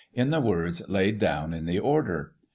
in the words laid down in the order.